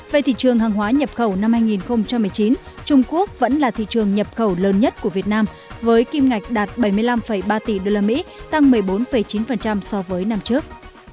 về thị trường hàng hóa nhập khẩu năm hai nghìn một mươi chín trung quốc vẫn là thị trường nhập khẩu lớn nhất của việt nam với kim ngạch đạt bảy mươi năm ba tỷ usd tăng một mươi bốn chín so với năm trước